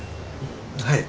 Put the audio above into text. はい。